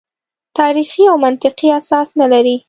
تاریخي او منطقي اساس نه لري.